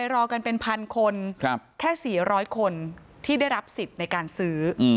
รอกันเป็นพันคนแค่๔๐๐คนที่ได้รับสิทธิ์ในการซื้อ